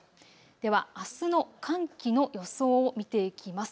では、あすの寒気の予想を見ていきます。